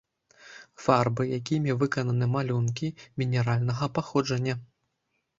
Фарбы, якімі выкананы малюнкі, мінеральнага паходжання.